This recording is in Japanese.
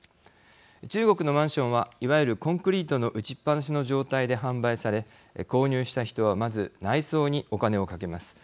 中国のマンションはいわゆるコンクリートの打ちっぱなしの状態で販売され購入した人はまず内装にお金をかけます。